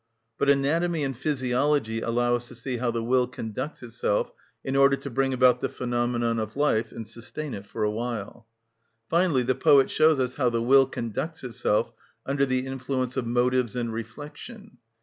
But Anatomy and Physiology allow us to see how the will conducts itself in order to bring about the phenomenon of life and sustain it for a while. Finally, the poet shows us how the will conducts itself under the influence of motives and reflection.